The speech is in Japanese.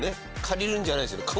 借りるんじゃないですよね？